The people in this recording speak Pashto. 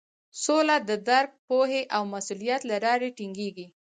سوله د درک، پوهې او مسولیت له لارې ټینګیږي.